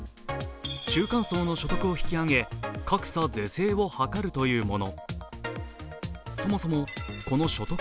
中間層の所得を引き上げ格差是正を図るというもの。